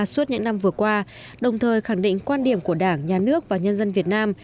suốt những năm vừa qua đồng thời khẳng định quan điểm của đảng nhà nước và nhân dân việt nam